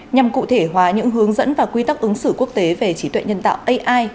nhằm cụ thể hóa những hướng dẫn và quy tắc ứng xử quốc tế về trí tuệ nhân tạo ai